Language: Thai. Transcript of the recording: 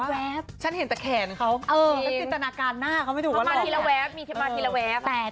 อนุเธอผมจะบอกว่าฉันเห็นแต่แขนเขาเขาจิตนาการหน้าเขาไม่ถูกว่าหลอก